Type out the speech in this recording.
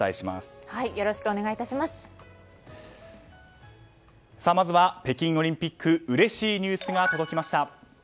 まずは北京オリンピックうれしいニュースが届きました。